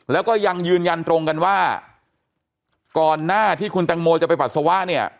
แล้วก็ยังยืนยันตรงกันว่าก่อนหน้าที่คุณตังโมจะไปปัสสาวะเนี่ย